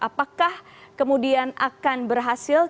apakah kemudian akan berhasil